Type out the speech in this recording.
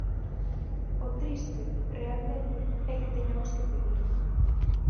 O triste, realmente, é que teñamos que pedilo.